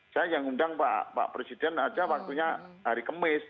saya yang undang pak presiden aja waktunya hari kemis